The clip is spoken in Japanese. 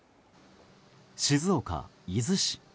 静岡・伊豆市。